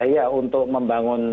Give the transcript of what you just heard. ya untuk membangun